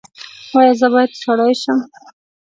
ایا زه باید سړی شم؟